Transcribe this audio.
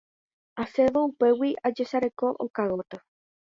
Asẽvo upégui ajesareko oka gotyo.